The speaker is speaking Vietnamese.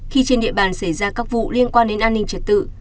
khi trên địa bàn xảy ra các vụ liên quan đến an ninh trật tự